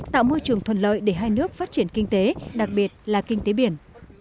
tạo môi trường thuận lợi để hai nước phát triển kinh tế đặc biệt là kinh tế biển